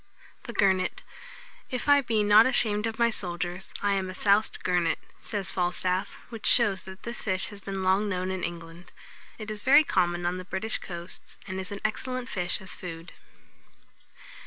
[Illustration: THE GURNET.] THE GURNET. "If I be not ashamed of my soldiers, I am a souced gurnet," says Falstaff; which shows that this fish has been long known in England. It is very common on the British coasts, and is an excellent fish as food.